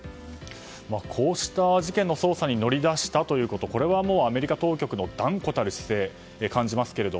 こうした事件の捜査に乗り出したということこれはアメリカ当局の断固たる姿勢を感じますが。